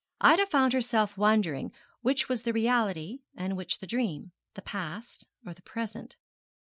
Ida found herself wondering which was the reality and which the dream the past or the present.